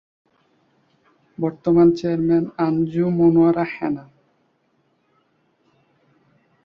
বর্তমান চেয়ারম্যান-আঞ্জু মনোয়ারা হেনা